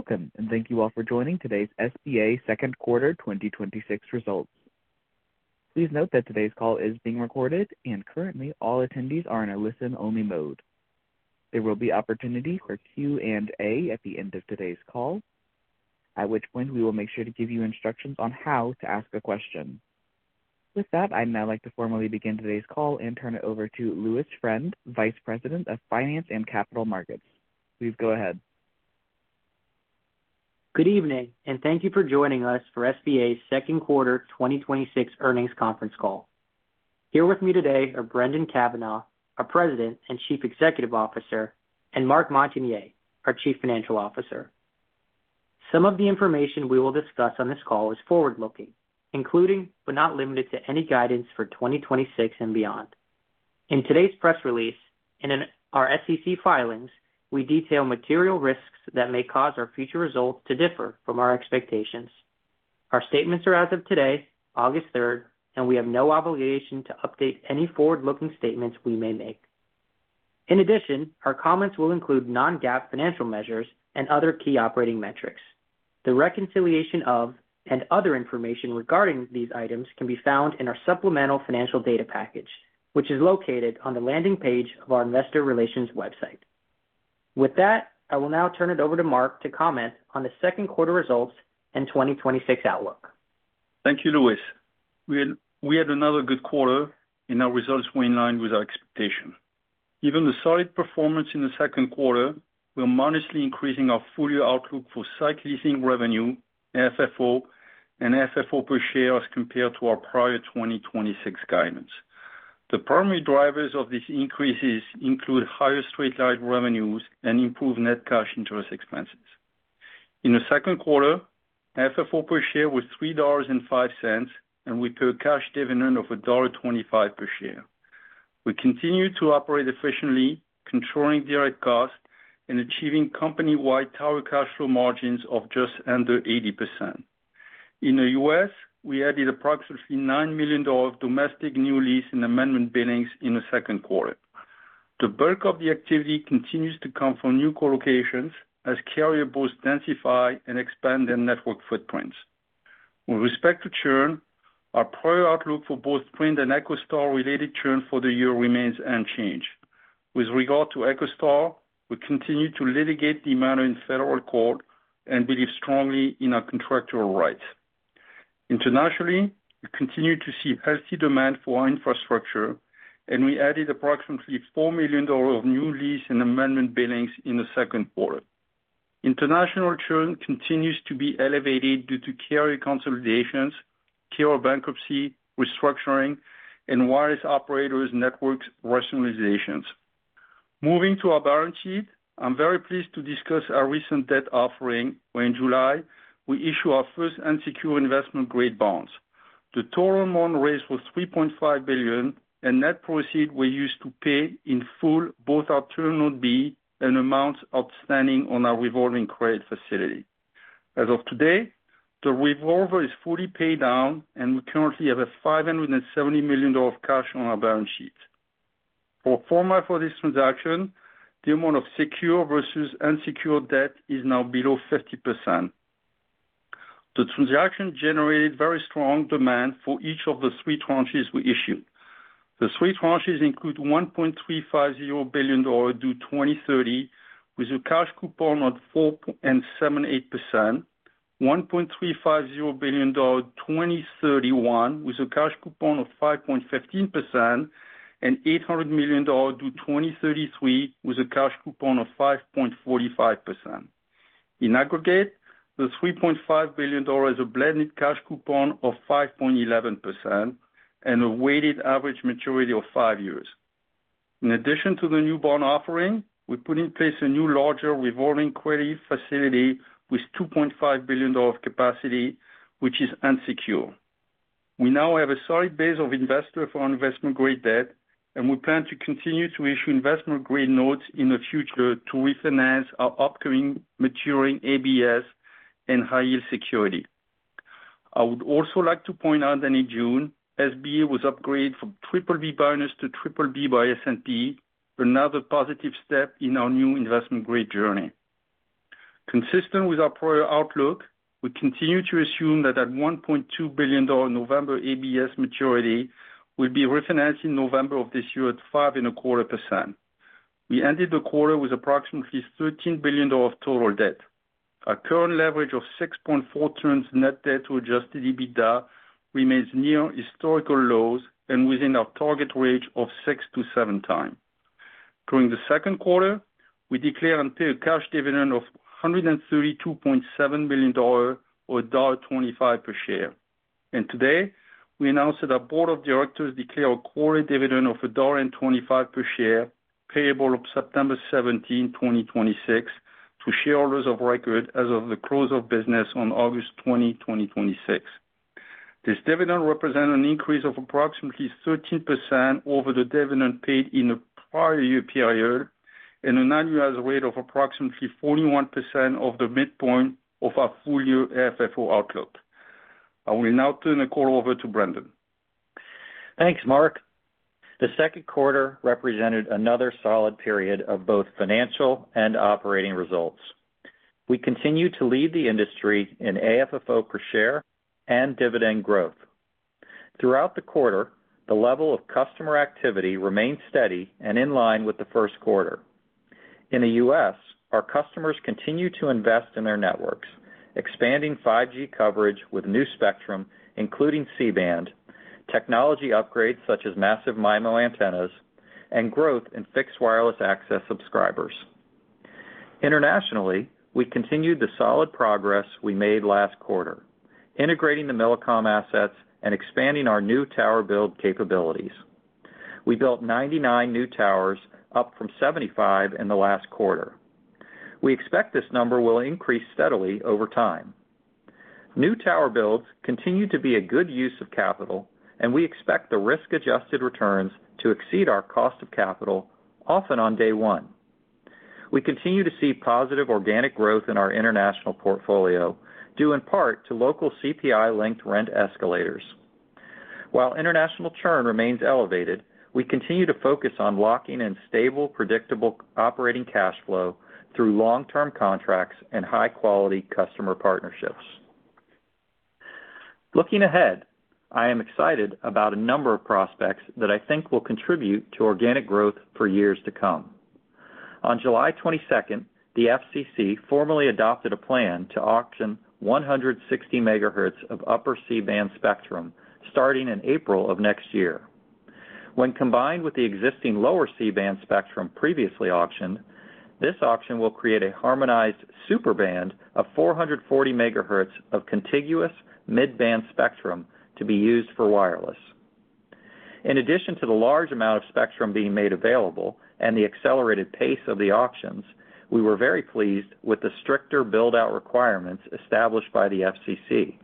Welcome. Thank you all for joining today's SBA second quarter 2026 results. Please note that today's call is being recorded, and currently all attendees are in a listen-only mode. There will be opportunity for Q&A at the end of today's call, at which point we will make sure to give you instructions on how to ask a question. With that, I'd now like to formally begin today's call and turn it over to Louis Friend, Vice President, Finance & Capital Markets. Please go ahead. Good evening. Thank you for joining us for SBA's second quarter 2026 earnings conference call. Here with me today are Brendan Cavanagh, our President and Chief Executive Officer, and Marc Montagner, our Chief Financial Officer. Some of the information we will discuss on this call is forward-looking, including, but not limited to, any guidance for 2026 and beyond. In today's press release and in our SEC filings, we detail material risks that may cause our future results to differ from our expectations. Our statements are as of today, August 3rd, and we have no obligation to update any forward-looking statements we may make. In addition, our comments will include non-GAAP financial measures and other key operating metrics. The reconciliation of, and other information regarding these items can be found in our supplemental financial data package, which is located on the landing page of our investor relations website. With that, I will now turn it over to Marc to comment on the second quarter results and 2026 outlook. Thank you, Louis. We had another good quarter, and our results were in line with our expectation. Given the solid performance in the second quarter, we're modestly increasing our full-year outlook for site leasing revenue, FFO, and FFO per share as compared to our prior 2026 guidance. The primary drivers of these increases include higher straight-line revenues and improved net cash interest expenses. In the second quarter, FFO per share was $3.05, and we paid a cash dividend of $1.25 per share. We continue to operate efficiently, controlling direct costs, and achieving company-wide Tower Cash Flow margins of just under 80%. In the U.S., we added approximately $9 million of domestic new lease and amendment billings in the second quarter. The bulk of the activity continues to come from new co-locations as carrier both densify and expand their network footprints. With respect to churn, our prior outlook for both Sprint and EchoStar related churn for the year remains unchanged. With regard to EchoStar, we continue to litigate the matter in federal court and believe strongly in our contractual rights. Internationally, we continue to see healthy demand for our infrastructure, and we added approximately $4 million of new lease and amendment billings in the second quarter. International churn continues to be elevated due to carrier consolidations, carrier bankruptcy, restructuring, and wireless operators networks rationalizations. Moving to our balance sheet. I'm very pleased to discuss our recent debt offering, where in July we issued our first unsecured investment-grade bonds. The total amount raised was $3.5 billion, and net proceeds we used to pay in full both our Term Loan B and amounts outstanding on our revolving credit facility. As of today, the revolver is fully paid down, and we currently have a $570 million of cash on our balance sheet. For format for this transaction, the amount of secured versus unsecured debt is now below 50%. The transaction generated very strong demand for each of the three tranches we issued. The three tranches include $1.350 billion due 2030, with a cash coupon of 4.78%, $1.350 billion 2031 with a cash coupon of 5.15%, and $800 million due 2033 with a cash coupon of 5.45%. In aggregate, the $3.5 billion, a blended cash coupon of 5.11%, and a weighted average maturity of five years. In addition to the new bond offering, we put in place a new, larger revolving credit facility with $2.5 billion of capacity, which is unsecured. We now have a solid base of investors for our investment-grade debt, and we plan to continue to issue investment-grade notes in the future to refinance our upcoming maturing ABS and high-yield securities. I would also like to point out that in June, SBA was upgraded from BBB- to BBB by S&P, another positive step in our new investment-grade journey. Consistent with our prior outlook, we continue to assume that at $1.2 billion November ABS maturity will be refinanced in November of this year at 5.25%. We ended the quarter with approximately $13 billion of total debt. Our current leverage of 6.4x net debt to Adjusted EBITDA remains near historical lows and within our target range of 6x-7x. During the second quarter, we declared and paid a cash dividend of $132.7 million or $1.25 per share. Today, we announce that our board of directors declare a quarter dividend of $1.25 per share, payable of September 17, 2026 to shareholders of record as of the close of business on August 20, 2026. This dividend represent an increase of approximately 13% over the dividend paid in the prior year period and an annualized rate of approximately 41% of the midpoint of our full year FFO outlook. I will now turn the call over to Brendan. Thanks, Marc. The second quarter represented another solid period of both financial and operating results. We continue to lead the industry in AFFO per share and dividend growth. Throughout the quarter, the level of customer activity remained steady and in line with the first quarter. In the U.S., our customers continue to invest in their networks, expanding 5G coverage with new spectrum, including C-band, technology upgrades such as Massive MIMO antennas, and growth in Fixed Wireless Access subscribers. Internationally, we continued the solid progress we made last quarter, integrating the Millicom assets and expanding our new tower build capabilities. We built 99 new towers, up from 75 in the last quarter. We expect this number will increase steadily over time. New tower builds continue to be a good use of capital, and we expect the risk-adjusted returns to exceed our cost of capital, often on day one. We continue to see positive organic growth in our international portfolio, due in part to local CPI-linked rent escalators. While international churn remains elevated, we continue to focus on locking in stable, predictable operating cash flow through long-term contracts and high-quality customer partnerships. Looking ahead, I am excited about a number of prospects that I think will contribute to organic growth for years to come. On July 22nd, the FCC formally adopted a plan to auction 160 MHz of Upper C-band spectrum starting in April of next year. When combined with the existing Lower C-band spectrum previously auctioned, this auction will create a harmonized super band of 440 MHz of contiguous mid-band spectrum to be used for wireless. In addition to the large amount of spectrum being made available and the accelerated pace of the auctions, we were very pleased with the stricter build-out requirements established by the FCC,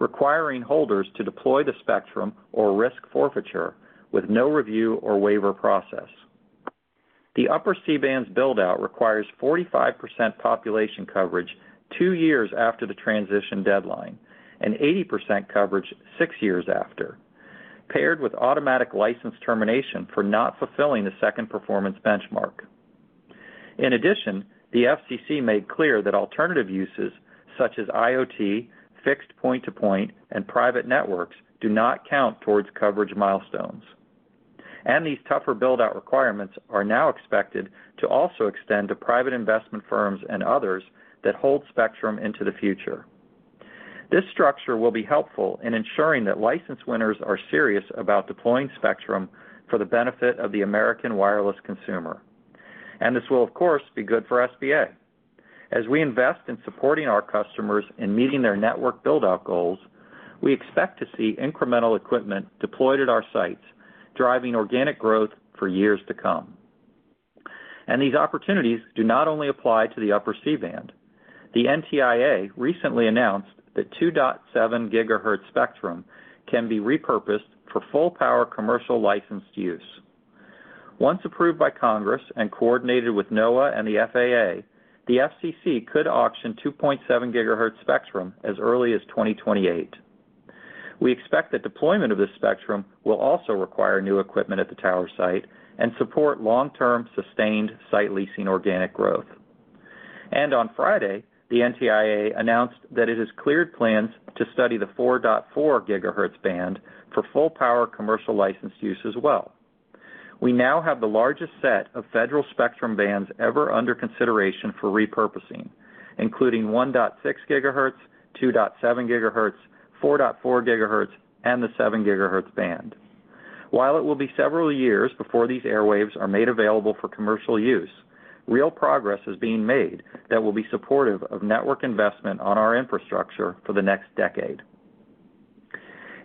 requiring holders to deploy the spectrum or risk forfeiture with no review or waiver process. The Upper C-band's build-out requires 45% population coverage two years after the transition deadline and 80% coverage six years after, paired with automatic license termination for not fulfilling the second performance benchmark. In addition, the FCC made clear that alternative uses such as IoT, fixed point-to-point, and private networks do not count towards coverage milestones. These tougher build-out requirements are now expected to also extend to private investment firms and others that hold spectrum into the future. This structure will be helpful in ensuring that license winners are serious about deploying spectrum for the benefit of the American wireless consumer. This will, of course, be good for SBA. As we invest in supporting our customers in meeting their network build-out goals, we expect to see incremental equipment deployed at our sites, driving organic growth for years to come. These opportunities do not only apply to the Upper C-band. The NTIA recently announced that 2.7 GHz spectrum can be repurposed for full power commercial licensed use. Once approved by Congress and coordinated with NOAA and the FAA, the FCC could auction 2.7 GHz spectrum as early as 2028. We expect that deployment of this spectrum will also require new equipment at the tower site and support long-term sustained site leasing organic growth. On Friday, the NTIA announced that it has cleared plans to study the 4.4 GHz band for full power commercial licensed use as well. We now have the largest set of federal spectrum bands ever under consideration for repurposing, including 1.6 GHz, 2.7 GHz, 4.4 GHz, and the 7 GHz band. While it will be several years before these airwaves are made available for commercial use, real progress is being made that will be supportive of network investment on our infrastructure for the next decade.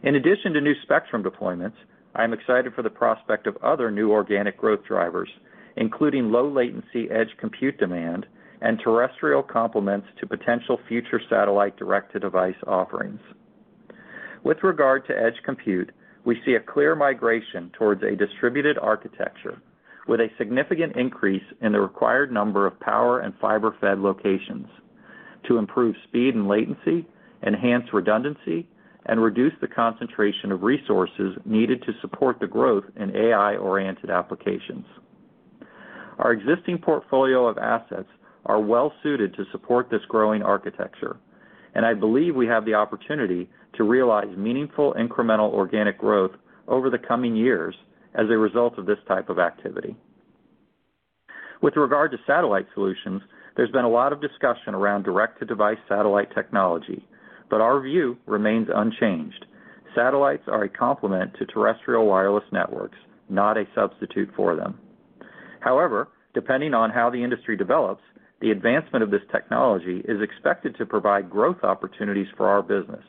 In addition to new spectrum deployments, I am excited for the prospect of other new organic growth drivers, including low latency edge compute demand and terrestrial complements to potential future satellite direct-to-device offerings. With regard to edge compute, we see a clear migration towards a distributed architecture with a significant increase in the required number of power and fiber-fed locations to improve speed and latency, enhance redundancy, and reduce the concentration of resources needed to support the growth in AI-oriented applications. Our existing portfolio of assets are well suited to support this growing architecture. I believe we have the opportunity to realize meaningful incremental organic growth over the coming years as a result of this type of activity. With regard to satellite solutions, there's been a lot of discussion around direct-to-device satellite technology. Our view remains unchanged. Satellites are a complement to terrestrial wireless networks, not a substitute for them. However, depending on how the industry develops, the advancement of this technology is expected to provide growth opportunities for our business.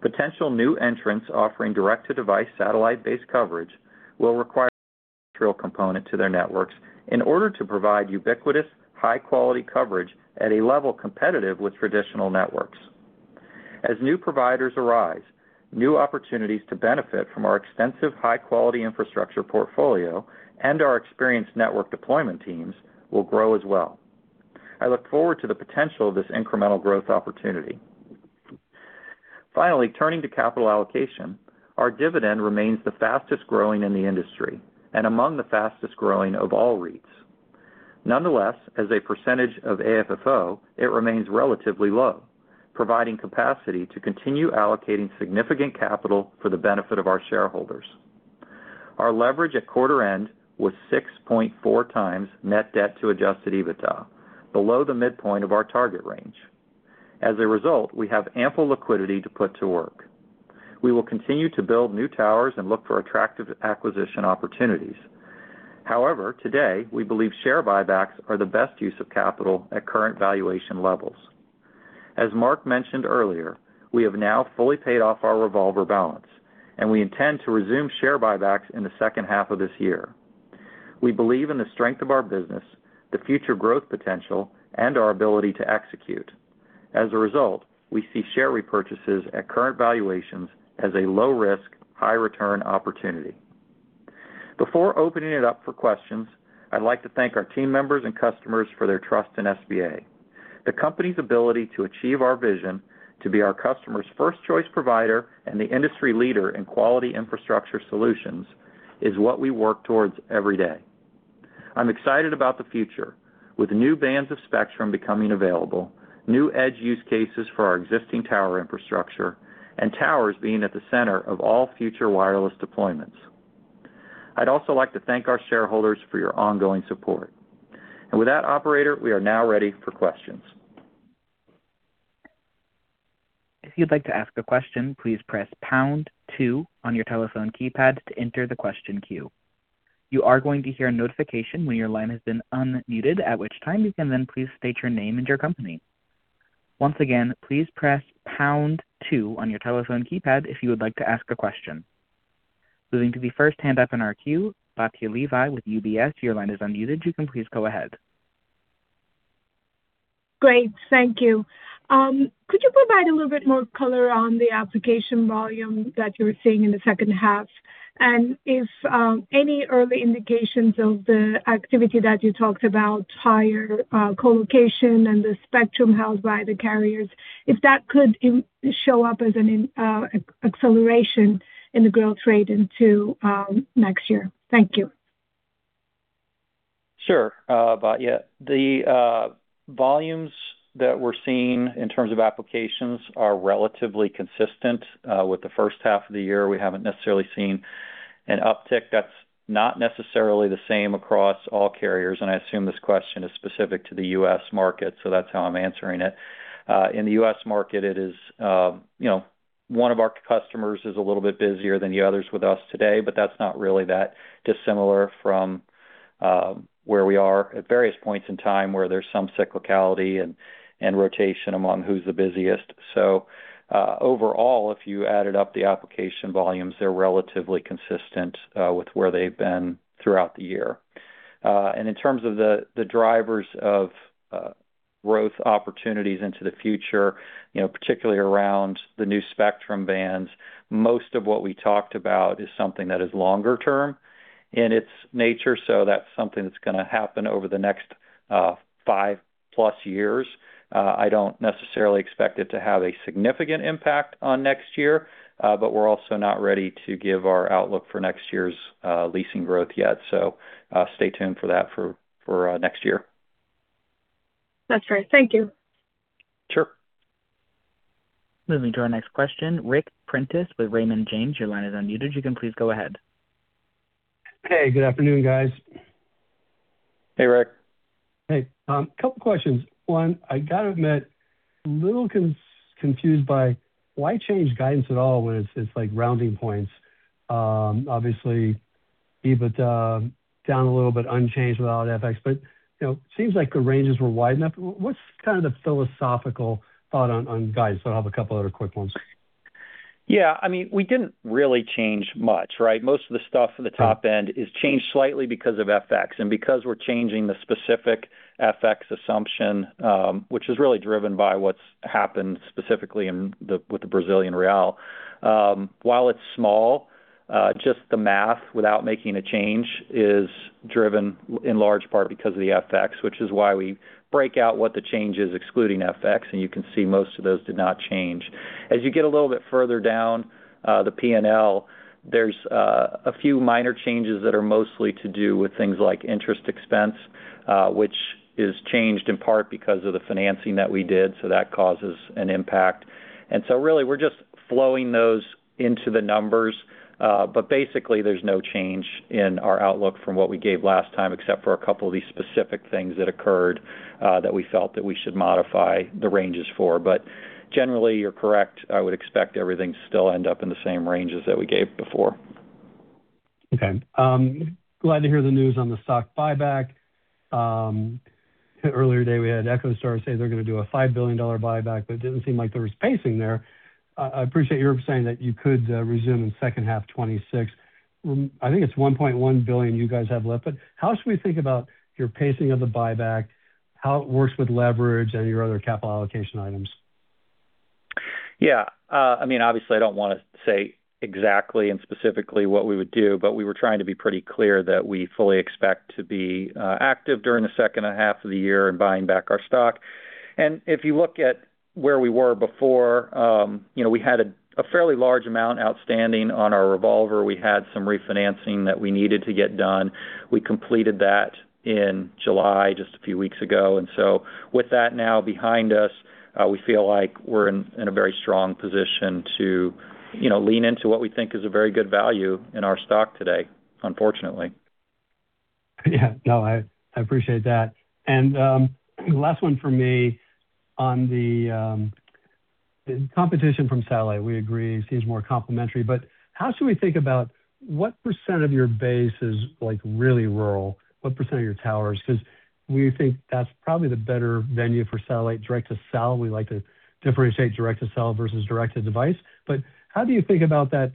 Potential new entrants offering direct-to-device satellite-based coverage will require a terrestrial component to their networks in order to provide ubiquitous, high-quality coverage at a level competitive with traditional networks. As new providers arise, new opportunities to benefit from our extensive high-quality infrastructure portfolio and our experienced network deployment teams will grow as well. I look forward to the potential of this incremental growth opportunity. Finally, turning to capital allocation, our dividend remains the fastest-growing in the industry and among the fastest-growing of all REITs. Nonetheless, as a percentage of AFFO, it remains relatively low, providing capacity to continue allocating significant capital for the benefit of our shareholders. Our leverage at quarter end was 6.4x net debt to Adjusted EBITDA, below the midpoint of our target range. As a result, we have ample liquidity to put to work. We will continue to build new towers and look for attractive acquisition opportunities. However, today, we believe share buybacks are the best use of capital at current valuation levels. As Marc mentioned earlier, we have now fully paid off our revolver balance. We intend to resume share buybacks in the second half of this year. We believe in the strength of our business, the future growth potential, and our ability to execute. As a result, we see share repurchases at current valuations as a low-risk, high-return opportunity. Before opening it up for questions, I'd like to thank our team members and customers for their trust in SBA. The company's ability to achieve our vision to be our customers' first choice provider and the industry leader in quality infrastructure solutions is what we work towards every day. I'm excited about the future with new bands of spectrum becoming available, new edge use cases for our existing tower infrastructure, towers being at the center of all future wireless deployments. I'd also like to thank our shareholders for your ongoing support. With that, operator, we are now ready for questions. If you'd like to ask a question, please press pound two on your telephone keypad to enter the question queue. You are going to hear a notification when your line has been unmuted, at which time you can then please state your name and your company. Once again, please press pound two on your telephone keypad if you would like to ask a question. Moving to the first hand up in our queue, Batya Levi with UBS, your line is unmuted. You can please go ahead. Great. Thank you. Could you provide a little bit more color on the application volume that you're seeing in the second half? If any early indications of the activity that you talked about, higher colocation and the spectrum held by the carriers, if that could show up as an acceleration in the growth rate into next year. Thank you. Sure. Batya. The volumes that we're seeing in terms of applications are relatively consistent with the first half of the year. I assume this question is specific to the U.S. market, so that's how I'm answering it. In the U.S. market, one of our customers is a little bit busier than the others with us today, but that's not really that dissimilar from where we are at various points in time where there's some cyclicality and rotation among who's the busiest. Overall, if you added up the application volumes, they're relatively consistent with where they've been throughout the year. In terms of the drivers of growth opportunities into the future, particularly around the new spectrum bands, most of what we talked about is something that is longer term in its nature, so that's something that's going to happen over the next five-plus years. I don't necessarily expect it to have a significant impact on next year, but we're also not ready to give our outlook for next year's leasing growth yet. Stay tuned for that for next year. That's great. Thank you. Sure. Moving to our next question, Ric Prentiss with Raymond James, your line is unmuted. You can please go ahead. Hey, good afternoon, guys. Hey, Ric. Hey. Couple questions. One, I got to admit, I'm a little confused by why change guidance at all when it's like rounding points. Obviously, Adjusted EBITDA down a little bit, unchanged without FX, seems like the ranges were wide enough. What's kind of the philosophical thought on guidance? I have a couple other quick ones. Yeah, we didn't really change much, right? Most of the stuff at the top end is changed slightly because of FX and because we're changing the specific FX assumption, which is really driven by what's happened specifically with the Brazilian real. While it's small, just the math without making a change is driven in large part because of the FX, which is why we break out what the change is excluding FX, You can see most of those did not change. As you get a little bit further down the P&L, there's a few minor changes that are mostly to do with things like interest expense, which is changed in part because of the financing that we did, that causes an impact. Really, we're just flowing those into the numbers. Basically, there's no change in our outlook from what we gave last time, except for a couple of these specific things that occurred, that we felt that we should modify the ranges for. Generally, you're correct. I would expect everything to still end up in the same ranges that we gave before. Okay. Glad to hear the news on the stock buyback. Earlier today, we had EchoStar say they're going to do a $5 billion buyback, it didn't seem like there was pacing there. I appreciate you're saying that you could resume in second half 2026. I think it's $1.1 billion you guys have left, how should we think about your pacing of the buyback, how it works with leverage and your other capital allocation items? Yeah. Obviously, I don't want to say exactly and specifically what we would do, but we were trying to be pretty clear that we fully expect to be active during the second half of the year in buying back our stock. If you look at where we were before, we had a fairly large amount outstanding on our revolver. We had some refinancing that we needed to get done. We completed that in July, just a few weeks ago. With that now behind us, we feel like we're in a very strong position to lean into what we think is a very good value in our stock today, unfortunately. Yeah. No, I appreciate that. Last one from me. On the competition from satellite, we agree it seems more complementary, but how should we think about what percent of your base is really rural? What percent of your towers? Because we think that's probably the better venue for satellite direct-to-cell. We like to differentiate direct-to-cell versus direct-to-device. How do you think about that?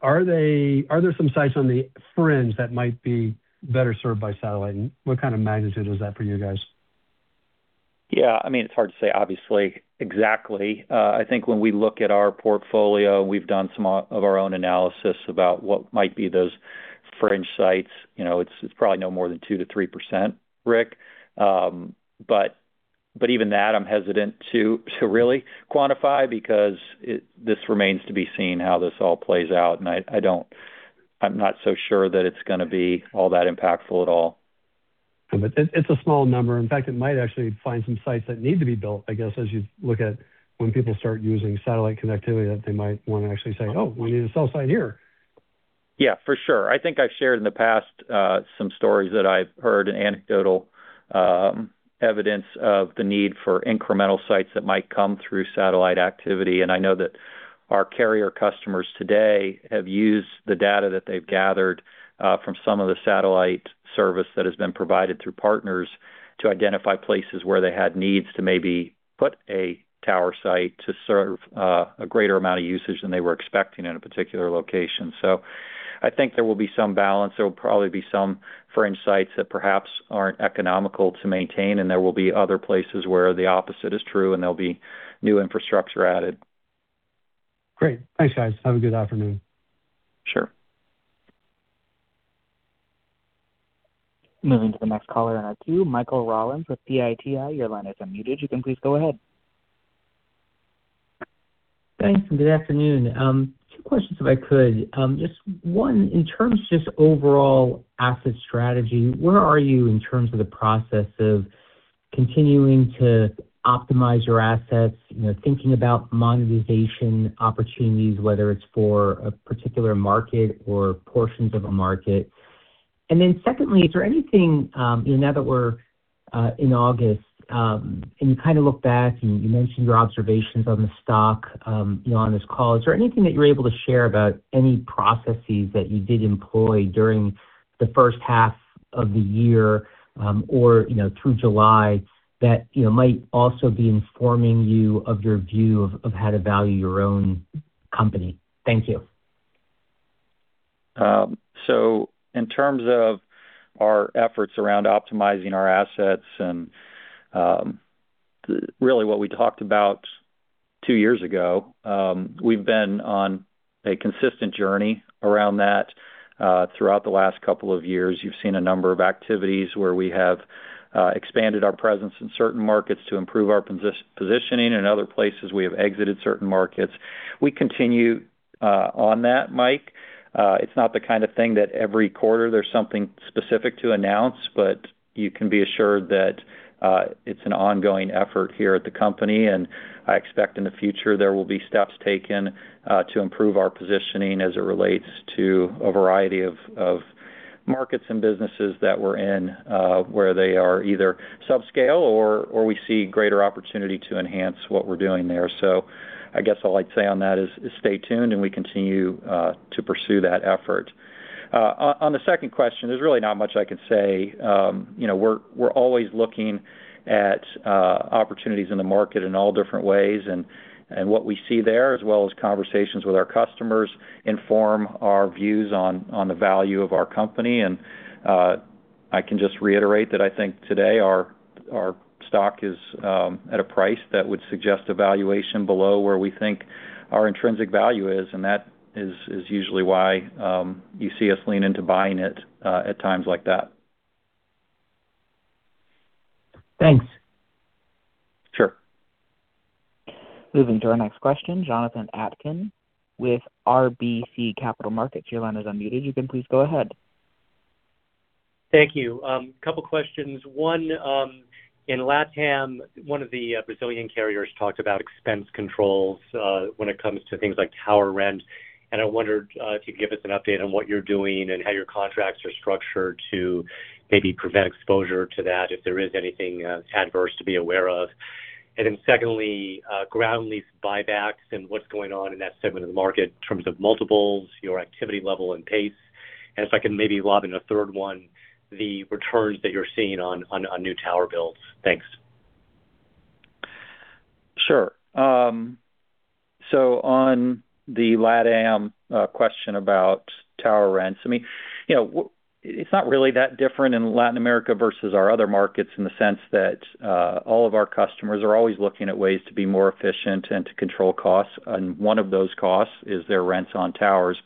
Are there some sites on the fringe that might be better served by satellite, and what kind of magnitude is that for you guys? Yeah. It's hard to say, obviously, exactly. I think when we look at our portfolio, we've done some of our own analysis about what might be those fringe sites. It's probably no more than 2%-3%, Ric. Even that I'm hesitant to really quantify because this remains to be seen how this all plays out, and I'm not so sure that it's going to be all that impactful at all. It's a small number. In fact, it might actually find some sites that need to be built, I guess, as you look at when people start using satellite connectivity, that they might want to actually say, "Oh, we need a cell site here." Yeah, for sure. I think I've shared in the past some stories that I've heard in anecdotal evidence of the need for incremental sites that might come through satellite activity. I know that our carrier customers today have used the data that they've gathered from some of the satellite service that has been provided through partners to identify places where they had needs to maybe put a tower site to serve a greater amount of usage than they were expecting in a particular location. I think there will be some balance. There will probably be some fringe sites that perhaps aren't economical to maintain, and there will be other places where the opposite is true, and there'll be new infrastructure added. Great. Thanks, guys. Have a good afternoon. Sure. Moving to the next caller in our queue, Michael Rollins with Citi. Your line is unmuted. You can please go ahead. Thanks. Good afternoon. Two questions, if I could. Just one, in terms of just overall asset strategy, where are you in terms of the process of continuing to optimize your assets, thinking about monetization opportunities, whether it's for a particular market or portions of a market? Secondly, is there anything, now that we're in August, and you kind of look back and you mentioned your observations on the stock on this call, is there anything that you're able to share about any processes that you did employ during the first half of the year, or through July that might also be informing you of your view of how to value your own company? Thank you. In terms of our efforts around optimizing our assets, and really what we talked about two years ago, we've been on a consistent journey around that. Throughout the last couple of years, you've seen a number of activities where we have expanded our presence in certain markets to improve our positioning. In other places, we have exited certain markets. We continue on that, Mike. It's not the kind of thing that every quarter there's something specific to announce, but you can be assured that it's an ongoing effort here at the company. I expect in the future there will be steps taken to improve our positioning as it relates to a variety of markets and businesses that we're in, where they are either subscale or we see greater opportunity to enhance what we're doing there. I guess all I'd say on that is stay tuned and we continue to pursue that effort. On the second question, there's really not much I can say. We're always looking at opportunities in the market in all different ways, and what we see there, as well as conversations with our customers, inform our views on the value of our company. I can just reiterate that I think today our stock is at a price that would suggest a valuation below where we think our intrinsic value is, and that is usually why you see us lean into buying it at times like that. Thanks. Sure. Moving to our next question, Jonathan Atkin with RBC Capital Markets. Your line is unmuted. You can please go ahead. Thank you. Couple questions. One, in LatAm, one of the Brazilian carriers talked about expense controls, when it comes to things like tower rent, and I wondered if you'd give us an update on what you're doing and how your contracts are structured to maybe prevent exposure to that, if there is anything adverse to be aware of. Then secondly, ground lease buybacks and what's going on in that segment of the market in terms of multiples, your activity level and pace. If I can maybe lob in a third one, the returns that you're seeing on new tower builds. Thanks. Sure. On the LatAm question about tower rents, it's not really that different in Latin America versus our other markets in the sense that all of our customers are always looking at ways to be more efficient and to control costs, and one of those costs is their rents on towers.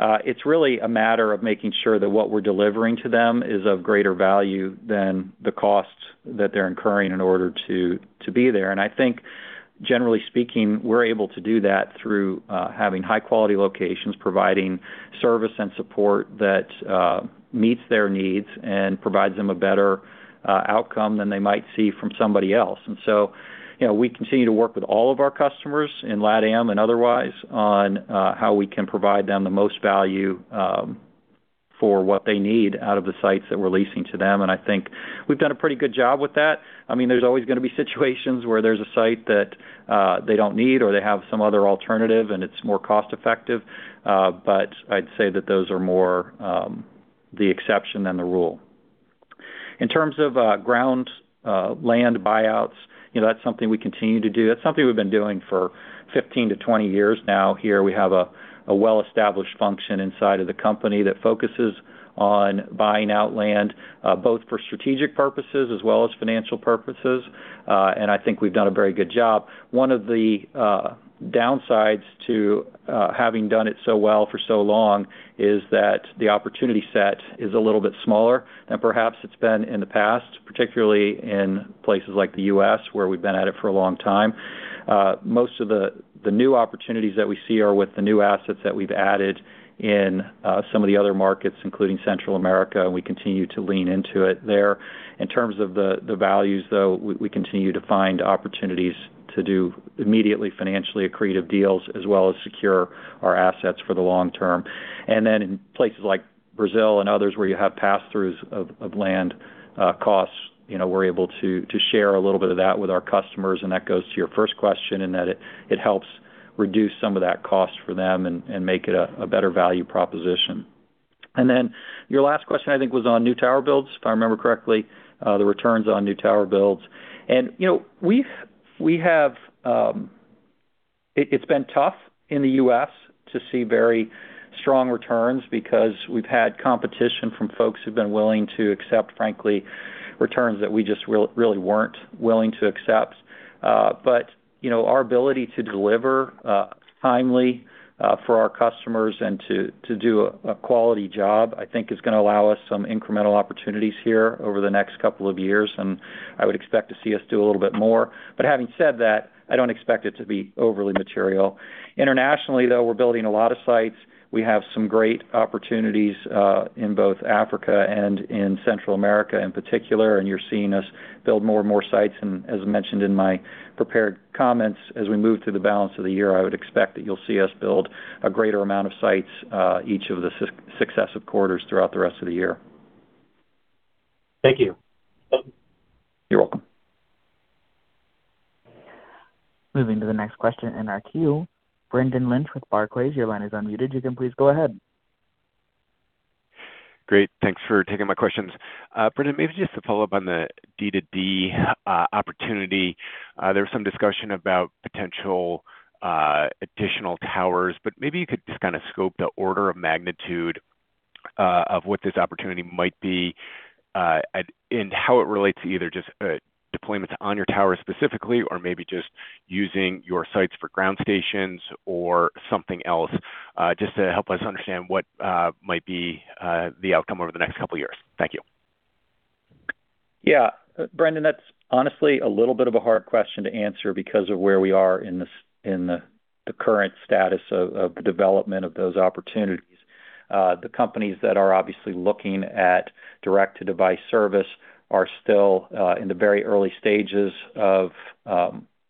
It's really a matter of making sure that what we're delivering to them is of greater value than the costs that they're incurring in order to be there. I think, generally speaking, we're able to do that through having high-quality locations, providing service and support that meets their needs and provides them a better outcome than they might see from somebody else. We continue to work with all of our customers in LatAm and otherwise on how we can provide them the most value for what they need out of the sites that we're leasing to them. I think we've done a pretty good job with that. There's always going to be situations where there's a site that they don't need, or they have some other alternative, and it's more cost-effective. I'd say that those are more the exception than the rule. In terms of ground land buyouts, that's something we continue to do. That's something we've been doing for 15-20 years now. Here we have a well-established function inside of the company that focuses on buying out land, both for strategic purposes as well as financial purposes, and I think we've done a very good job. One of the downsides to having done it so well for so long is that the opportunity set is a little bit smaller than perhaps it's been in the past, particularly in places like the U.S., where we've been at it for a long time. Most of the new opportunities that we see are with the new assets that we've added in some of the other markets, including Central America. We continue to lean into it there. In terms of the values, though, we continue to find opportunities to do immediately financially accretive deals, as well as secure our assets for the long term. In places like Brazil and others where you have passthroughs of land costs, we're able to share a little bit of that with our customers, and that goes to your first question in that it helps reduce some of that cost for them and make it a better value proposition. Your last question, I think, was on new tower builds, if I remember correctly, the returns on new tower builds. It's been tough in the U.S. to see very strong returns because we've had competition from folks who've been willing to accept, frankly, returns that we just really weren't willing to accept. Our ability to deliver timely for our customers and to do a quality job, I think, is going to allow us some incremental opportunities here over the next couple of years, I would expect to see us do a little bit more. Having said that, I don't expect it to be overly material. Internationally, though, we're building a lot of sites. We have some great opportunities in both Africa and in Central America in particular, and you're seeing us build more and more sites. As mentioned in my prepared comments, as we move through the balance of the year, I would expect that you'll see us build a greater amount of sites each of the successive quarters throughout the rest of the year. Thank you. You're welcome. Moving to the next question in our queue. Brendan Lynch with Barclays, your line is unmuted. You can please go ahead. Great. Thanks for taking my questions. Brendan, maybe just to follow up on the D2D opportunity. There was some discussion about potential additional towers, but maybe you could just kind of scope the order of magnitude of what this opportunity might be, and how it relates to either just deployments on your tower specifically or maybe just using your sites for ground stations or something else, just to help us understand what might be the outcome over the next couple of years. Thank you. Yeah. Brendan, that's honestly a little bit of a hard question to answer because of where we are in the current status of the development of those opportunities. The companies that are obviously looking at direct-to-device service are still in the very early stages of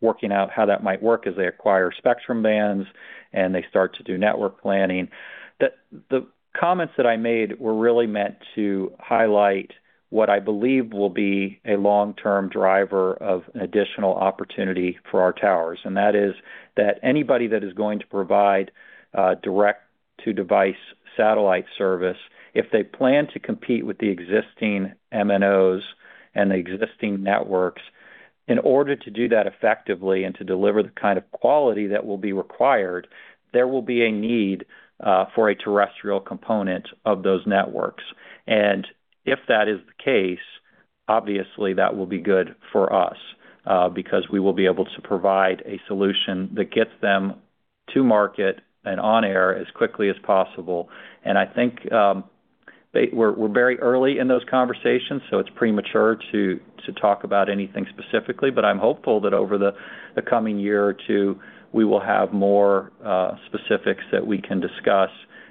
working out how that might work as they acquire spectrum bands and they start to do network planning. The comments that I made were really meant to highlight what I believe will be a long-term driver of an additional opportunity for our towers, and that is that anybody that is going to provide direct-to-device satellite service, if they plan to compete with the existing MNOs and the existing networks, in order to do that effectively and to deliver the kind of quality that will be required, there will be a need for a terrestrial component of those networks. If that is the case, obviously, that will be good for us, because we will be able to provide a solution that gets them to market and on air as quickly as possible. I think we're very early in those conversations, so it's premature to talk about anything specifically, but I'm hopeful that over the coming year or two, we will have more specifics that we can discuss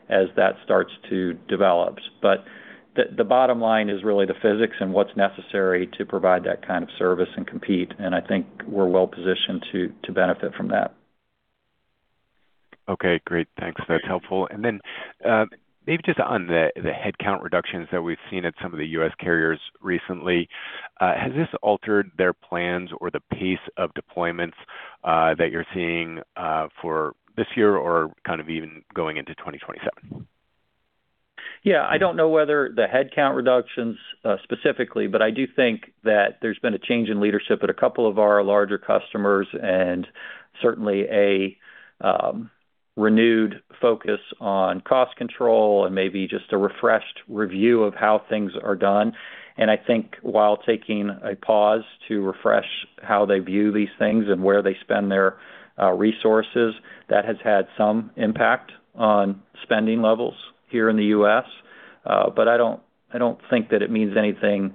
as that starts to develop. The bottom line is really the physics and what's necessary to provide that kind of service and compete, and I think we're well positioned to benefit from that. Okay, great. Thanks. That's helpful. Maybe just on the headcount reductions that we've seen at some of the U.S. carriers recently, has this altered their plans or the pace of deployments that you're seeing for this year or kind of even going into 2027? Yeah. I don't know whether the headcount reductions specifically, but I do think that there's been a change in leadership at a couple of our larger customers and certainly a renewed focus on cost control. Maybe just a refreshed review of how things are done. I think while taking a pause to refresh how they view these things and where they spend their resources, that has had some impact on spending levels here in the U.S. I don't think that it means anything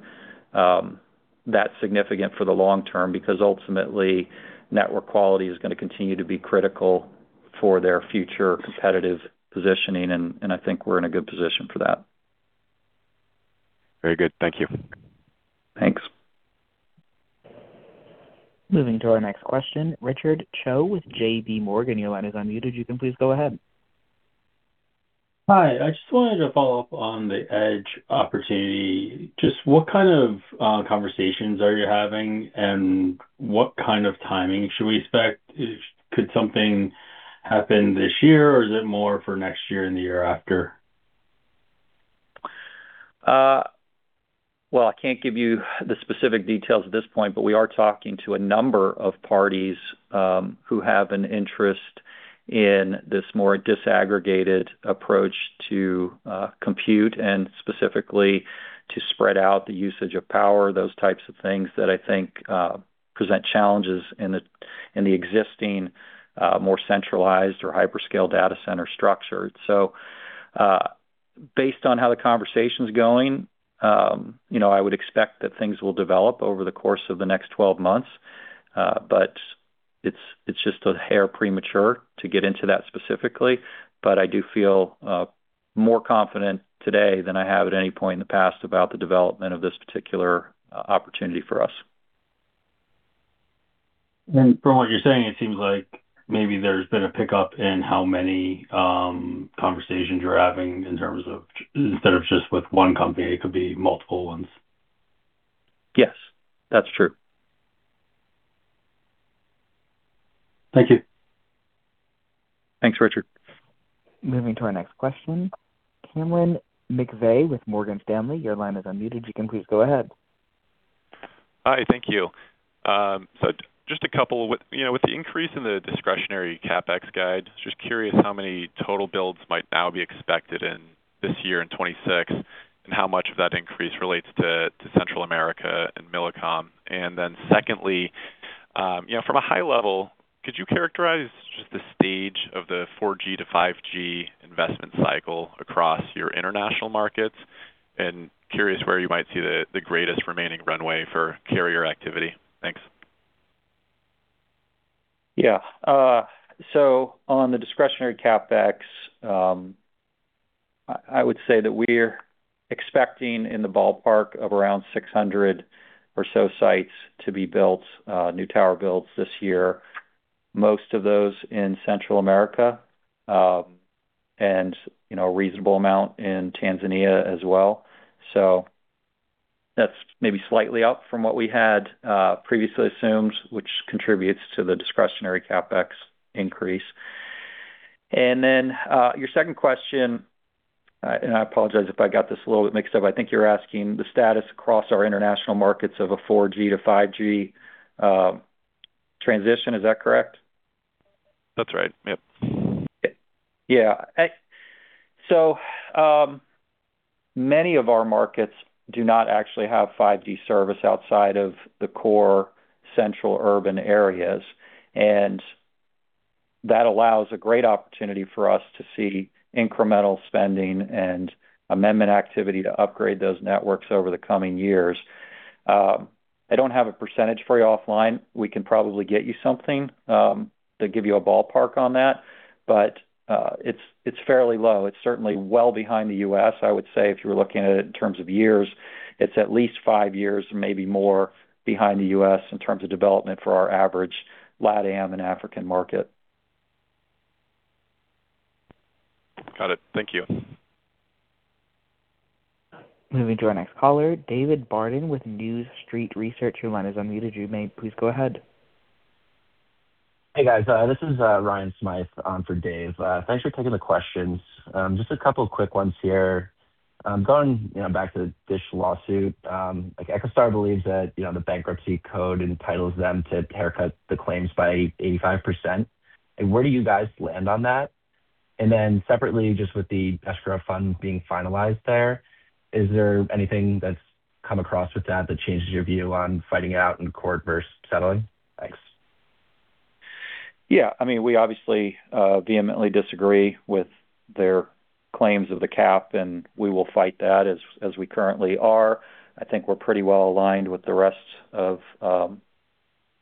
that significant for the long term, because ultimately, network quality is going to continue to be critical for their future competitive positioning, and I think we're in a good position for that. Very good. Thank you. Thanks. Moving to our next question, Richard Choe with JPMorgan. Your line is unmuted. You can please go ahead. Hi. I just wanted to follow up on the edge opportunity. Just what kind of conversations are you having, and what kind of timing should we expect? Could something happen this year, or is it more for next year and the year after? I can't give you the specific details at this point, but we are talking to a number of parties, who have an interest in this more disaggregated approach to compute and specifically to spread out the usage of power, those types of things that I think present challenges in the existing more centralized or hyperscale data center structure. Based on how the conversation's going, I would expect that things will develop over the course of the next 12 months. It's just a hair premature to get into that specifically. I do feel more confident today than I have at any point in the past about the development of this particular opportunity for us. From what you're saying, it seems like maybe there's been a pickup in how many conversations you're having in terms of instead of just with one company, it could be multiple ones. Yes. That's true. Thank you. Thanks, Richard. Moving to our next question. Cameron McVey with Morgan Stanley. Your line is unmuted. You can please go ahead. Hi. Thank you. Just a couple. With the increase in the discretionary CapEx guide, just curious how many total builds might now be expected in this year in 2026, and how much of that increase relates to Central America and Millicom. Secondly, from a high level, could you characterize just the stage of the 4G to 5G investment cycle across your international markets? Curious where you might see the greatest remaining runway for carrier activity. Thanks. Yeah. On the discretionary CapEx, I would say that we're expecting in the ballpark of around 600 or so sites to be built, new tower builds this year, most of those in Central America, and a reasonable amount in Tanzania as well. That's maybe slightly up from what we had previously assumed, which contributes to the discretionary CapEx increase. Your second question, and I apologize if I got this a little bit mixed up. I think you're asking the status across our international markets of a 4G to 5G transition. Is that correct? That's right. Yep. Yeah. Many of our markets do not actually have 5G service outside of the core central urban areas, and that allows a great opportunity for us to see incremental spending and amendment activity to upgrade those networks over the coming years. I don't have a percentage for you offline. We can probably get you something to give you a ballpark on that. It's fairly low. It's certainly well behind the U.S. I would say if you were looking at it in terms of years, it's at least five years, maybe more behind the U.S. in terms of development for our average LatAm and African market. Got it. Thank you. Moving to our next caller, David Barden with New Street Research. Your line is unmuted. You may please go ahead. Hey, guys. This is Ryan Smyth for Dave. Thanks for taking the questions. Just a couple of quick ones here. Going back to the Dish lawsuit, like EchoStar believes that the bankruptcy code entitles them to haircut the claims by 85%. Where do you guys land on that? Separately, just with the escrow fund being finalized there, is there anything that's come across with that that changes your view on fighting it out in court versus settling? Thanks. Yeah. I mean, we obviously vehemently disagree with their claims of the cap, and we will fight that as we currently are. I think we're pretty well aligned with the rest of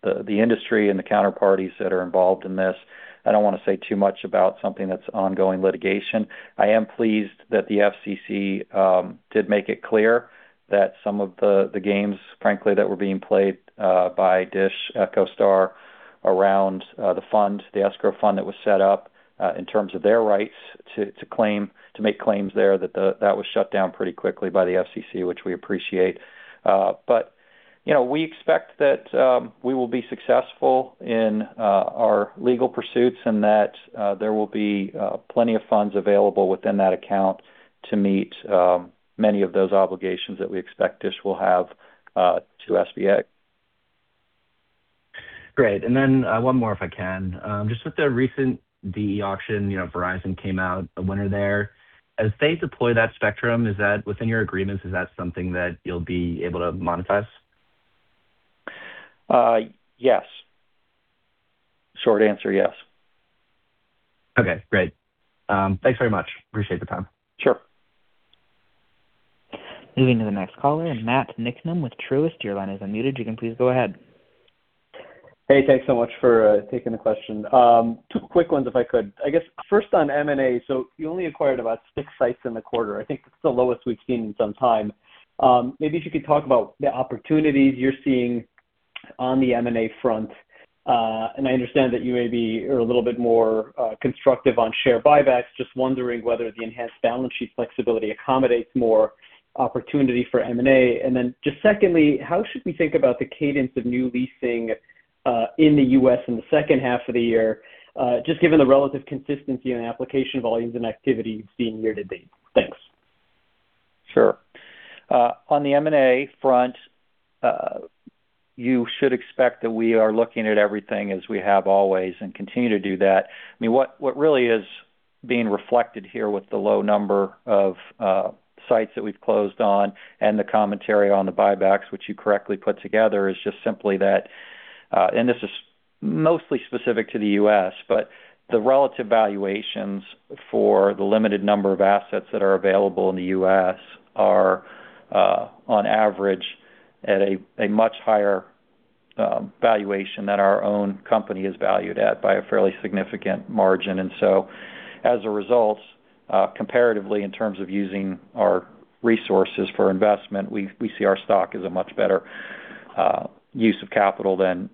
the industry and the counterparties that are involved in this. I don't want to say too much about something that's ongoing litigation. I am pleased that the FCC did make it clear that some of the games, frankly, that were being played by Dish EchoStar around the escrow fund that was set up, in terms of their rights to make claims there, that was shut down pretty quickly by the FCC, which we appreciate. We expect that we will be successful in our legal pursuits and that there will be plenty of funds available within that account to meet many of those obligations that we expect Dish will have to SBA. Great. One more if I can. Just with the recent DE auction, Verizon came out a winner there. As they deploy that spectrum, within your agreements, is that something that you'll be able to monetize? Yes. Short answer, yes. Okay, great. Thanks very much. Appreciate the time. Sure. Moving to the next caller, Matt Niknam with Truist, your line is unmuted. You can please go ahead. Hey, thanks so much for taking the question. Two quick ones if I could. I guess, first on M&A. You only acquired about six sites in the quarter. I think that's the lowest we've seen in some time. Maybe if you could talk about the opportunities you're seeing on the M&A front. I understand that you maybe are a little bit more constructive on share buybacks. Just wondering whether the enhanced balance sheet flexibility accommodates more opportunity for M&A. Just secondly, how should we think about the cadence of new leasing, in the U.S. in the second half of the year, just given the relative consistency in application volumes and activity seen year to date? Thanks. Sure. On the M&A front, you should expect that we are looking at everything as we have always and continue to do that. What really is being reflected here with the low number of sites that we've closed on and the commentary on the buybacks, which you correctly put together, is just simply that, and this is mostly specific to the U.S., but the relative valuations for the limited number of assets that are available in the U.S. are, on average, at a much higher valuation than our own company is valued at by a fairly significant margin. As a result, comparatively, in terms of using our resources for investment, we see our stock as a much better use of capital than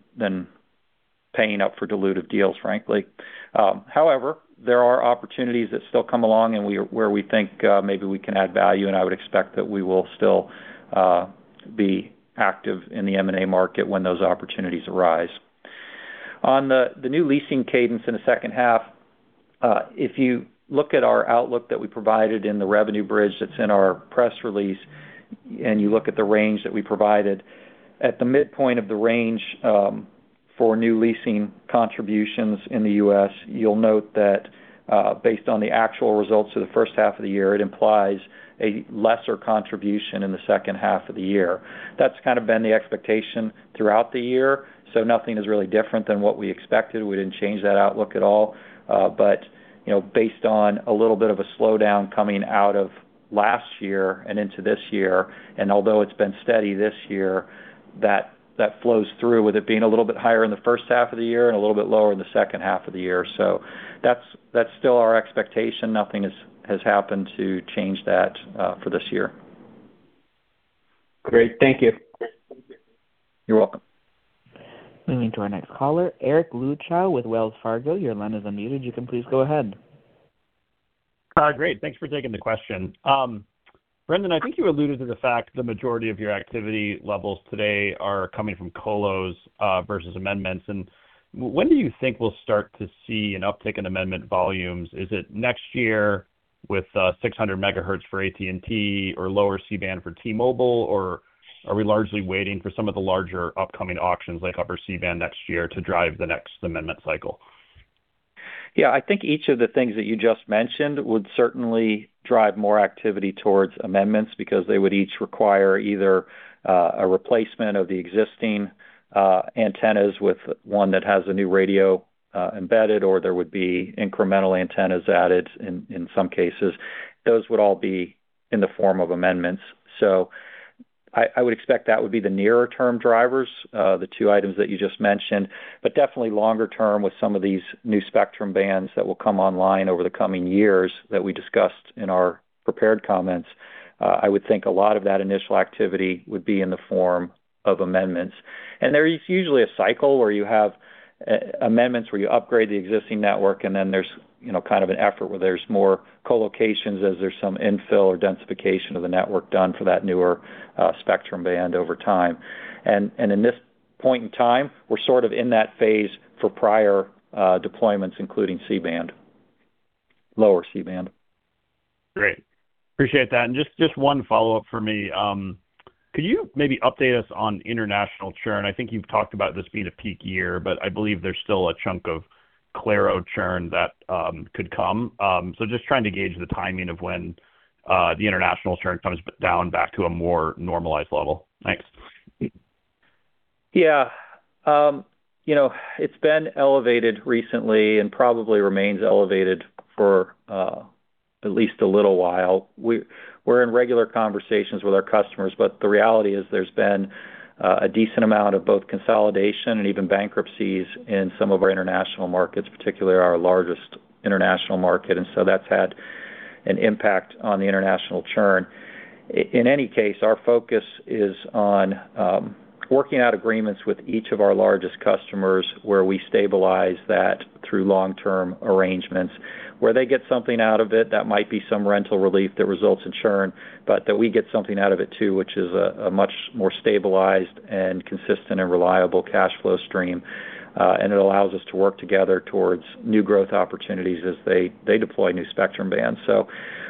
paying up for dilutive deals, frankly. There are opportunities that still come along and where we think maybe we can add value, and I would expect that we will still be active in the M&A market when those opportunities arise. On the new leasing cadence in the second half, if you look at our outlook that we provided in the revenue bridge that's in our press release, and you look at the range that we provided, at the midpoint of the range, for new leasing contributions in the U.S., you'll note that based on the actual results of the first half of the year, it implies a lesser contribution in the second half of the year. That's kind of been the expectation throughout the year, nothing is really different than what we expected. We didn't change that outlook at all. Based on a little bit of a slowdown coming out of last year and into this year, and although it's been steady this year, that flows through with it being a little bit higher in the first half of the year and a little bit lower in the second half of the year. That's still our expectation. Nothing has happened to change that for this year. Great. Thank you. You're welcome. Moving to our next caller, Eric Luebchow with Wells Fargo. Your line is unmuted. You can please go ahead. Great. Thanks for taking the question. Brendan, I think you alluded to the fact the majority of your activity levels today are coming from colos versus amendments. When do you think we'll start to see an uptick in amendment volumes? Is it next year with 600 MHz for AT&T or Lower C-band for T-Mobile? Are we largely waiting for some of the larger upcoming auctions like Upper C-band next year to drive the next amendment cycle? I think each of the things that you just mentioned would certainly drive more activity towards amendments because they would each require either a replacement of the existing antennas with one that has a new radio embedded, or there would be incremental antennas added in some cases. Those would all be in the form of amendments. I would expect that would be the nearer-term drivers, the two items that you just mentioned. Definitely longer-term with some of these new spectrum bands that will come online over the coming years that we discussed in our prepared comments, I would think a lot of that initial activity would be in the form of amendments. There is usually a cycle where you have amendments where you upgrade the existing network, there's kind of an effort where there's more co-locations as there's some infill or densification of the network done for that newer spectrum band over time. In this point in time, we're sort of in that phase for prior deployments, including C-band, Lower C-band. Great. Appreciate that. Just one follow-up from me. Could you maybe update us on international churn? I think you've talked about this being a peak year, I believe there's still a chunk of Claro churn that could come. Just trying to gauge the timing of when the international churn comes down back to a more normalized level. Thanks. Yeah. It's been elevated recently and probably remains elevated for at least a little while. We're in regular conversations with our customers, the reality is there's been a decent amount of both consolidation and even bankruptcies in some of our international markets, particularly our largest international market. That's had an impact on the international churn. In any case, our focus is on working out agreements with each of our largest customers where we stabilize that through long-term arrangements where they get something out of it that might be some rental relief that results in churn, that we get something out of it, too, which is a much more stabilized and consistent and reliable cash flow stream. It allows us to work together towards new growth opportunities as they deploy new spectrum bands.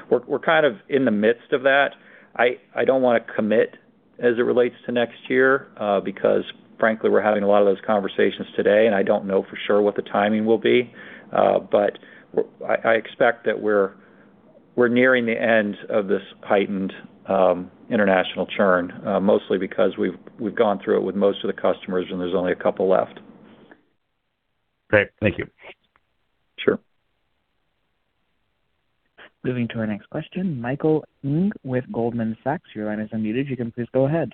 We're kind of in the midst of that. I don't want to commit as it relates to next year, because frankly, we're having a lot of those conversations today, I don't know for sure what the timing will be. I expect that we're nearing the end of this heightened international churn, mostly because we've gone through it with most of the customers, there's only a couple left. Great. Thank you. Sure. Moving to our next question, Michael Ng with Goldman Sachs. Your line is unmuted. You can please go ahead.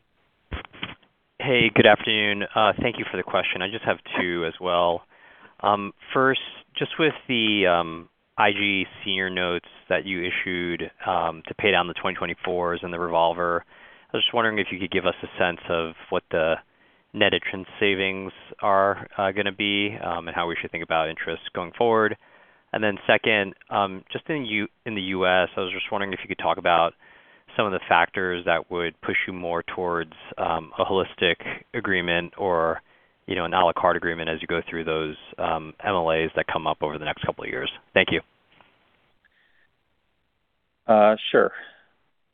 Hey, good afternoon. Thank you for the question. I just have two as well. First, just with the IG senior notes that you issued to pay down the 2024s and the revolver, I was just wondering if you could give us a sense of what the net interest savings are going to be and how we should think about interest going forward. Second, just in the U.S., I was just wondering if you could talk about some of the factors that would push you more towards a holistic agreement or an a la carte agreement as you go through those MLAs that come up over the next couple of years. Thank you. Sure.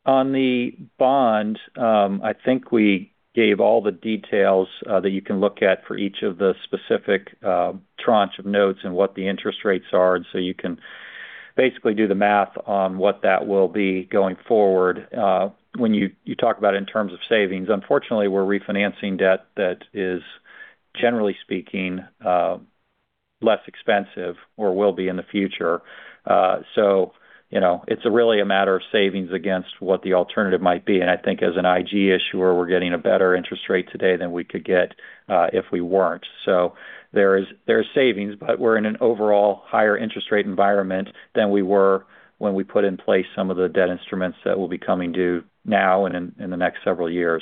On the bond, I think we gave all the details that you can look at for each of the specific tranche of notes and what the interest rates are, you can basically do the math on what that will be going forward. When you talk about in terms of savings, unfortunately, we're refinancing debt that is, generally speaking, less expensive or will be in the future. It's really a matter of savings against what the alternative might be, and I think as an IG issuer, we're getting a better interest rate today than we could get if we weren't. There is savings, but we're in an overall higher interest rate environment than we were when we put in place some of the debt instruments that will be coming due now and in the next several years.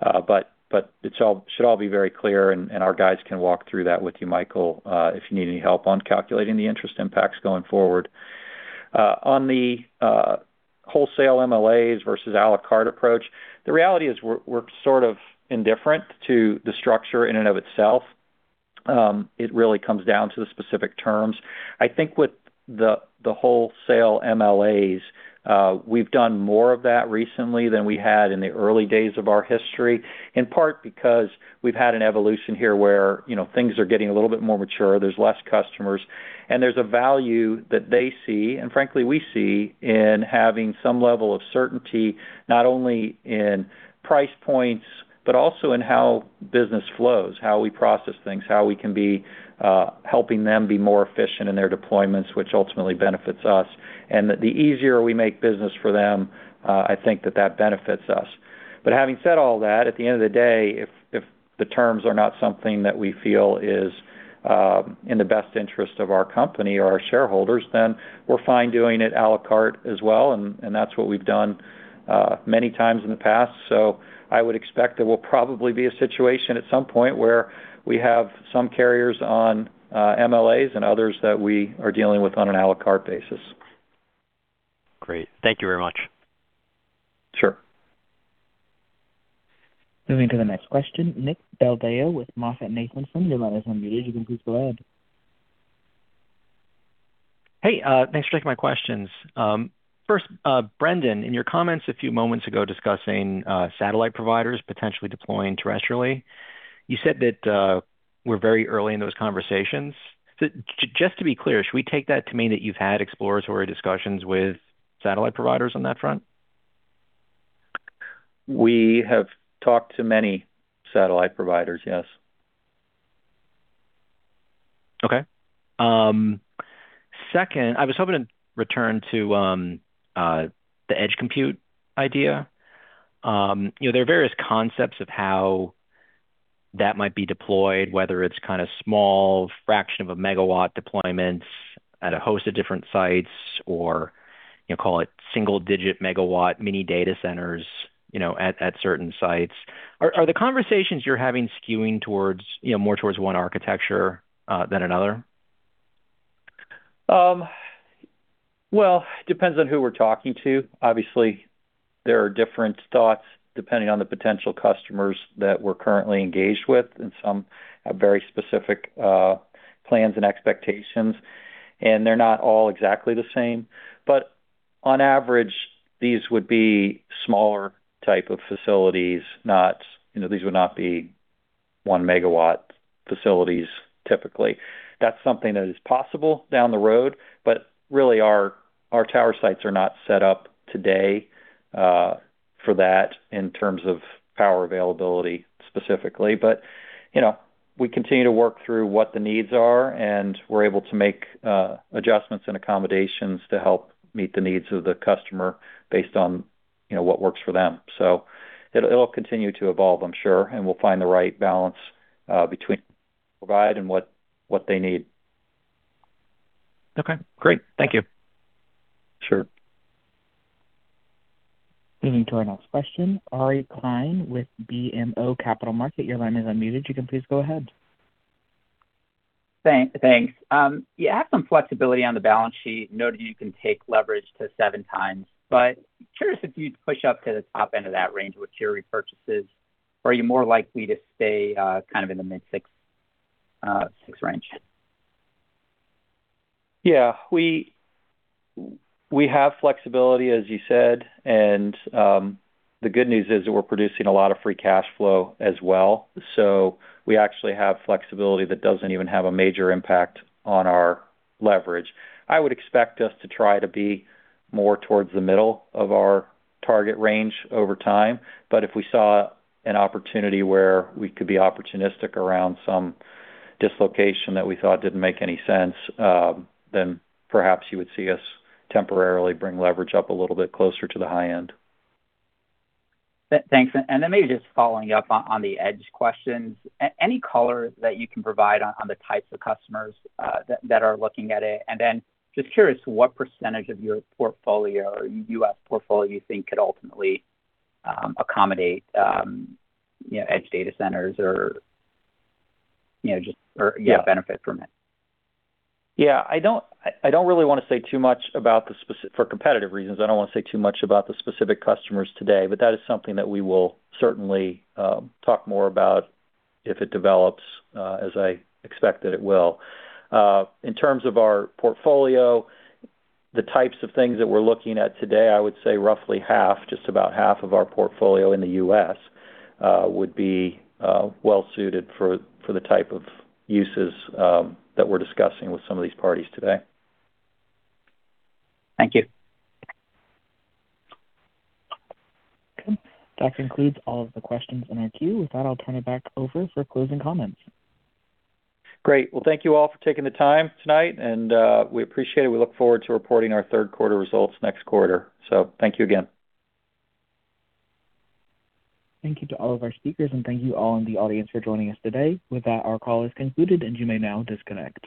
It should all be very clear, and our guys can walk through that with you, Michael, if you need any help on calculating the interest impacts going forward. On the wholesale MLAs versus a la carte approach, the reality is we're sort of indifferent to the structure in and of itself. It really comes down to the specific terms. I think with the wholesale MLAs, we've done more of that recently than we had in the early days of our history, in part because we've had an evolution here where things are getting a little bit more mature. There's less customers, and there's a value that they see, and frankly, we see, in having some level of certainty, not only in price points, but also in how business flows, how we process things, how we can be helping them be more efficient in their deployments, which ultimately benefits us. That the easier we make business for them, I think that that benefits us. Having said all that, at the end of the day, if the terms are not something that we feel is in the best interest of our company or our shareholders, then we're fine doing it a la carte as well, and that's what we've done many times in the past. I would expect there will probably be a situation at some point where we have some carriers on MLAs and others that we are dealing with on an a la carte basis. Great. Thank you very much. Sure. Moving to the next question, Nick Del Deo with MoffettNathanson. Your line is unmuted. You can please go ahead. Hey, thanks for taking my questions. First, Brendan, in your comments a few moments ago discussing satellite providers potentially deploying terrestrially, you said that we're very early in those conversations. Just to be clear, should we take that to mean that you've had exploratory discussions with satellite providers on that front? We have talked to many satellite providers, yes. Okay. Second, I was hoping to return to the edge computing idea. There are various concepts of how that might be deployed, whether it's kind of small fraction of a megawatt deployments at a host of different sites, or call it single-digit megawatt mini data centers at certain sites. Are the conversations you're having skewing more towards one architecture than another? Well, depends on who we're talking to. Obviously, there are different thoughts depending on the potential customers that we're currently engaged with, and some have very specific plans and expectations. They're not all exactly the same. On average, these would be smaller type of facilities. These would not be one-megawatt facilities, typically. That's something that is possible down the road, but really, our tower sites are not set up today for that in terms of power availability, specifically. We continue to work through what the needs are, and we're able to make adjustments and accommodations to help meet the needs of the customer based on what works for them. It'll continue to evolve, I'm sure, and we'll find the right balance between provide and what they need. Okay, great. Thank you. Sure. Moving to our next question, Ari Klein with BMO Capital Markets. Your line is unmuted. You can please go ahead. Thanks. You have some flexibility on the balance sheet, noted you can take leverage to seven times, curious if you'd push up to the top end of that range with share repurchases. Are you more likely to stay kind of in the mid six range? Yeah. The good news is that we're producing a lot of free cash flow as well. We actually have flexibility that doesn't even have a major impact on our leverage. I would expect us to try to be more towards the middle of our target range over time. If we saw an opportunity where we could be opportunistic around some dislocation that we thought didn't make any sense, then perhaps you would see us temporarily bring leverage up a little bit closer to the high end. Thanks. Maybe just following up on the edge questions. Any color that you can provide on the types of customers that are looking at it? Just curious what percentage of your portfolio or U.S. portfolio you think could ultimately accommodate edge data centers or just benefit from it? Yeah. For competitive reasons, I don't want to say too much about the specific customers today, but that is something that we will certainly talk more about if it develops, as I expect that it will. In terms of our portfolio, the types of things that we're looking at today, I would say roughly half, just about half of our portfolio in the U.S., would be well-suited for the type of uses that we're discussing with some of these parties today. Thank you. Okay. That concludes all of the questions in our queue. With that, I'll turn it back over for closing comments. Great. Well, thank you all for taking the time tonight, and we appreciate it. We look forward to reporting our third quarter results next quarter. Thank you again. Thank you to all of our speakers, and thank you all in the audience for joining us today. With that, our call is concluded, and you may now disconnect.